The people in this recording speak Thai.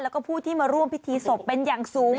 แล้วก็ผู้ที่มาร่วมพิธีศพเป็นอย่างสูง